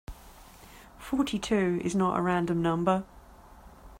Forty-two is not a random number.